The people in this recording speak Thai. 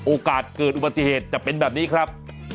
โอกาสเกิดอุบัติเหตุจะเป็นแบบนี้ครับ